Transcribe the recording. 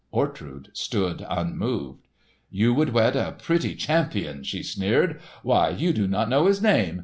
Ortrud stood unmoved. "You would wed a pretty champion!" she sneered. "Why, you do not know his name!